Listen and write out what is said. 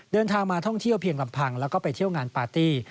เดินทางมาท่องเที่ยวเพียงลำพังแล้วก็ไปเที่ยวงานปาร์ตี้